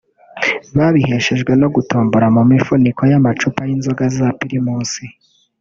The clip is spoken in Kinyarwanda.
babiheshejwe no gutombora mu mifuniko y’amacupa y’inzoga za Primus